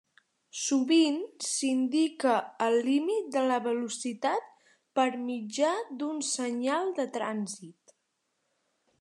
Sovint s'indica el límit de velocitat per mitjà d'un senyal de trànsit.